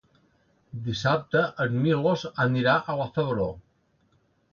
Dissabte en Milos anirà a la Febró.